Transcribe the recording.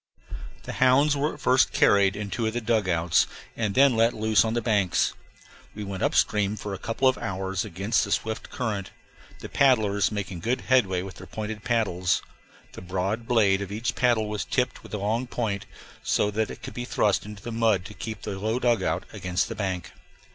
The hounds were at first carried in two of the dugouts, and then let loose on the banks. We went up stream for a couple of hours against the swift current, the paddlers making good headway with their pointed paddles the broad blade of each paddle was tipped with a long point, so that it could be thrust into the mud to keep the low dugout against the bank.